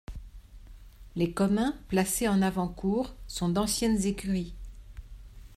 Les communs, placés en avant-cour, sont d'anciennes écuries.